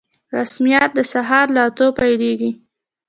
رسميات د سهار له اتو پیلیږي